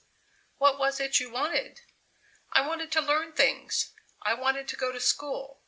"What was it you wanted?" "I wanted to learn things! I wanted to go to school.